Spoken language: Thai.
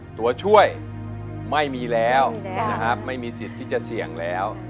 ตัวช่วยไม่มีแล้วนะครับไม่มีสิทธิ์ที่จะเสี่ยงแล้ว